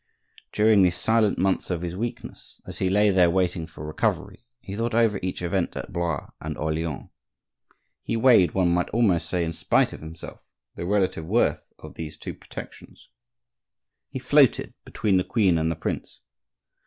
During the silent months of his weakness, as he lay there waiting for recovery, he thought over each event at Blois and at Orleans. He weighed, one might almost say in spite of himself, the relative worth of these two protections. He floated between the queen and the prince.